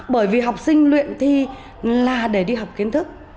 bởi vì học sinh luyện thi là để đi học kiến thức